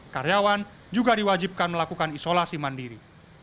karyawan juga diwajibkan melakukan isolasi mandiri